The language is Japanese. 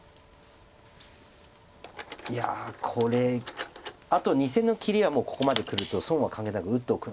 いやこれあと２線の切りはここまでくると損は関係なく打っとく。